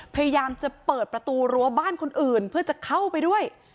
พยายามจะเปิดประตูรั้วบ้านคนอื่นเพื่อจะเข้าไปด้วย